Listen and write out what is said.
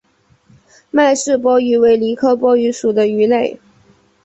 麦氏波鱼为鲤科波鱼属的鱼类。